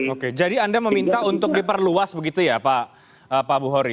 oke jadi anda meminta untuk diperluas begitu ya pak buhori